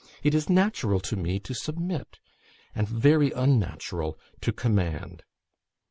It is natural to me to submit, and very unnatural to command.